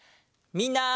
みんな！